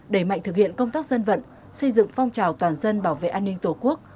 đẩy mạnh thực hiện công tác dân vận xây dựng phong trào toàn dân bảo vệ an ninh tổ quốc